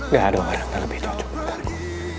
gak ada orang yang lebih cocok dengan aku